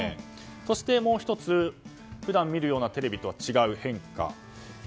そしてもう１つ、普段見るようなテレビとは違う変化。